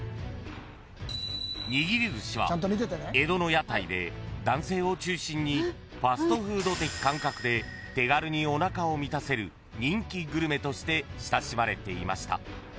［にぎりずしは江戸の屋台で男性を中心にファストフード感覚で手軽におなかを満たせる人気グルメとして親しまれていました］